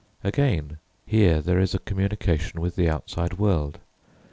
Again, here there is a communication with the outside world.